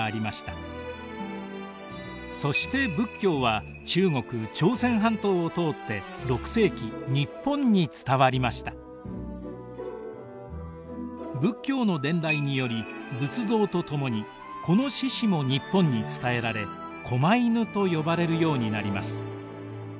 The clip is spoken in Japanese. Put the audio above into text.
そして仏教は仏教の伝来により仏像と共にこの獅子も日本に伝えられ狛犬と呼ばれるようになります。